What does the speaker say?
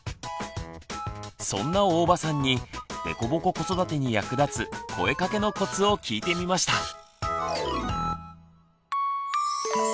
そんな大場さんに凸凹子育てに役立つ「声かけのコツ」を聞いてみました。